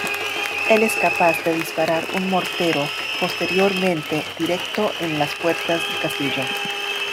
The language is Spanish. Él es capaz de disparar un mortero posteriormente directo en las puertas del castillo.